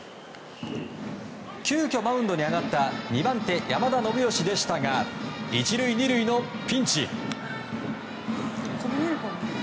急きょマウンドに上がった２番手、山田修義でしたが１塁２塁のピンチ。